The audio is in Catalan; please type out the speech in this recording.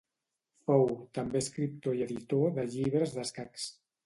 Fou també escriptor i editor de llibres d'escacs.